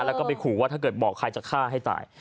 แล้วก็ไปขู่ว่าถ้าเกิดบอกใครจะฆ่าให้ตาย